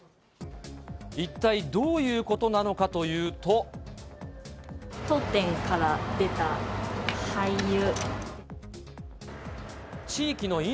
一体どういうことなのかとい当店から出た廃油。